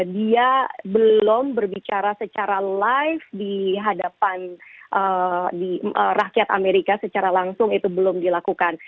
dia belum berbicara secara live di hadapan rakyat amerika secara langsung itu belum dilakukan